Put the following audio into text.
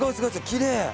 きれい！